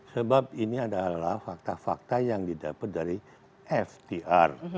sebab ini adalah fakta fakta yang didapat dari fdr